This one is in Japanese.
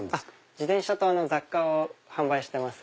自転車と雑貨を販売してます。